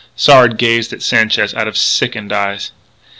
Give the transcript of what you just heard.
Sard gazed at Sanchez out of sickened eyes.